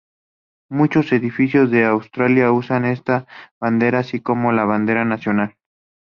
Muchos edificios en Australia usan esta bandera así como la bandera nacional.